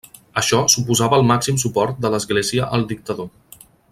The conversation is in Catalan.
Això suposava el màxim suport de l'Església al dictador.